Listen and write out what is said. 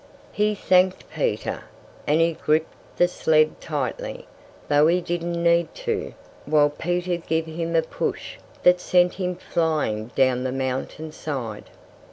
He thanked Peter; and he gripped the sled tightly though he didn't need to while Peter gave him a push that sent him flying down the mountainside.